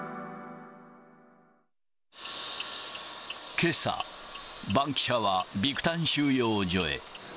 けさ、バンキシャはビクタン収容所へ。